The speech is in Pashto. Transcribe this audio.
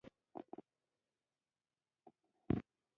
هغه د پاک مینه پر مهال د مینې خبرې وکړې.